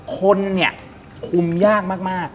คนคุมยากมาก